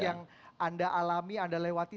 yang anda alami anda lewati